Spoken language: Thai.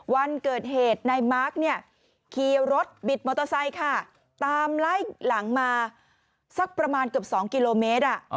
วันเกิดเหตุนายมาร์คเนี่ยขี่รถบิดมอเตอร์ไซค์ค่ะตามไล่หลังมาสักประมาณเกือบ๒กิโลเมตร